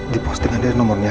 di postingan dia nomornya